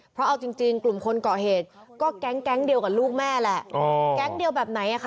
เพราะเอาจริงกลุ่มคนก่อเหตุก็แก๊งเดียวกันลูกแม่แหละ